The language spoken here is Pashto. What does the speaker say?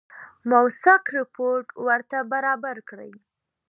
موثق رپوټ ورته برابر کړي.